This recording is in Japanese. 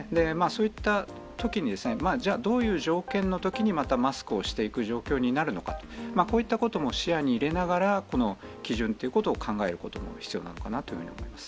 そういったときに、じゃあ、どういう条件のときにまたマスクをしていく状況になるのかという、こういったことも視野に入れながら、基準ということを考えることも必要なのかなと思います。